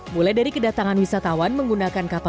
mulai dari kedatangan wisatawan menggunakan kapal